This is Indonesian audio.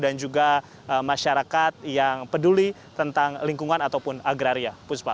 dan juga masyarakat yang peduli tentang lingkungan ataupun agraria